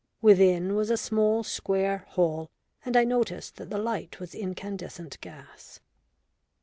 Within was a small square hall, and I noticed that the light was incandescent gas.